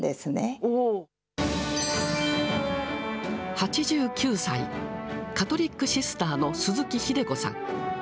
８９歳、カトリックシスターの鈴木秀子さん。